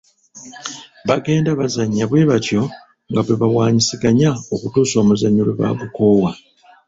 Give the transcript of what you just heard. Bagenda bazannya bwe batyo nga bwe bawaanyisiganya okutuusa omuzannyo lwe bagukoowa.